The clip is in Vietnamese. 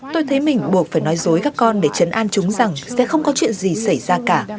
tôi thấy mình buộc phải nói dối các con để chấn an chúng rằng sẽ không có chuyện gì xảy ra cả